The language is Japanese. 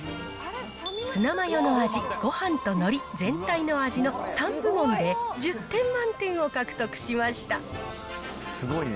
ツナマヨの味、ごはんとのり全体の味の３部門で１０点満点を獲得しました。